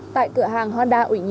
tại cửa hàng honda